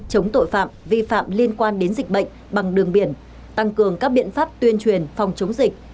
chống tội phạm vi phạm liên quan đến dịch bệnh bằng đường biển tăng cường các biện pháp tuyên truyền phòng chống dịch